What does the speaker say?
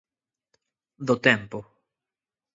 Do tempo.